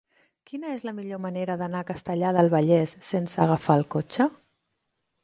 Quina és la millor manera d'anar a Castellar del Vallès sense agafar el cotxe?